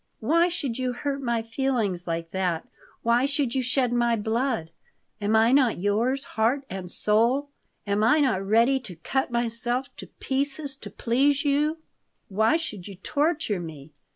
"Why should you hurt my feelings like that? Why should you shed my blood? Am I not yours, heart and soul? Am I not ready to cut myself to pieces to please you? Why should you torture me?"